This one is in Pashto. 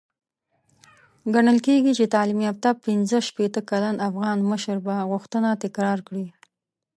ګڼل کېږي چې تعليم يافته پنځه شپېته کلن افغان مشر به غوښتنه تکرار کړي.